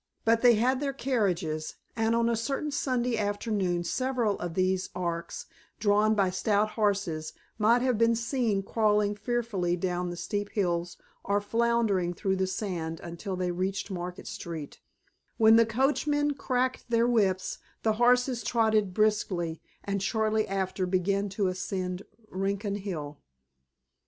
But they had their carriages, and on a certain Sunday afternoon several of these arks drawn by stout horses might have been seen crawling fearfully down the steep hills or floundering through the sand until they reached Market Street; when the coachmen cracked their whips, the horses trotted briskly, and shortly after began to ascend Rincon Hill.